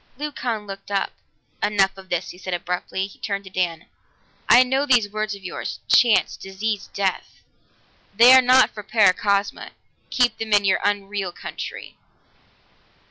Leucon looked up. "Enough of this," he said abruptly. He turned to Dan, "I know these words of yours chance, disease, death. They are not for Paracosma. Keep them in your unreal country."